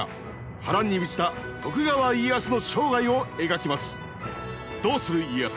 波乱に満ちた徳川家康の生涯を描きます。